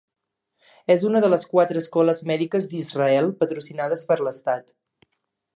És una de les quatre escoles mèdiques d'Israel patrocinades per l'estat.